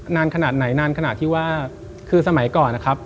นานขนาดไหนนานขนาดที่ว่าคือสมัยก่อนนะครับ